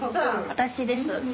私です。